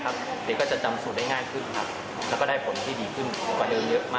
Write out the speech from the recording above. เด็กก็จะจำสูตรได้ง่ายขึ้นครับ